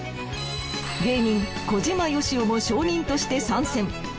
芸人小島よしおも証人として参戦。